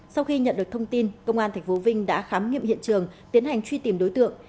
sau khi nhận được thông tin công an tp vinh đã khám nghiệm hiện trường tiến hành truy tìm đối tượng